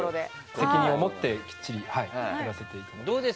責任を持ってきっちりやらせていただいて。